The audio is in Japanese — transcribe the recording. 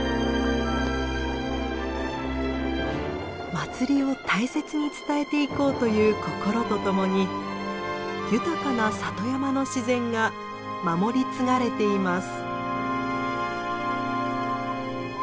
祭りを大切に伝えていこうという心とともに豊かな里山の自然が守り継がれています。